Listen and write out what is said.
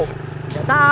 tapi mungkin aja ada